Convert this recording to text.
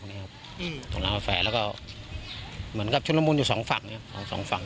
ตรงร้านกาแฟแล้วก็เหมือนกับชุดละมุนอยู่สองฝั่งเนี่ยของสองฝั่ง